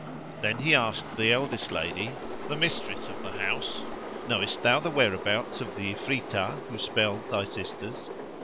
Then he asked the eldest lady, the mistress of the house, "Knowest thou the whereabouts of the Ifritah who spelled thy sisters?"